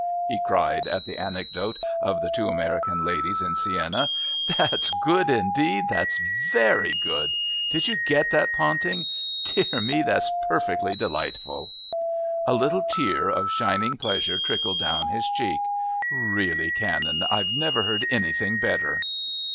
he cried at the anecdote of the two American ladies in Siena. "That's good, indeed...that's very good. Did you get that, Ponting? Dear me, that's perfectly delightful!" A little tear of shining pleasure trickled down his cheek. "Really, Canon, I've never heard anything better."